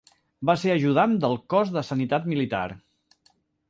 Va ser ajudant del Cos de Sanitat Militar.